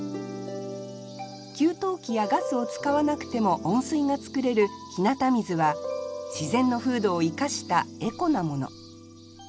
給湯器やガスを使わなくても温水が作れる日向水は自然の風土を生かしたエコなもの。